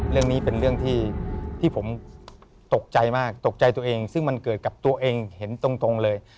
เรื่องนี้เป็นเรื่องที่ผมตกใจมากตกใจตัวเองซึ่งมันเกิดกับตัวเองเห็นตรงเลย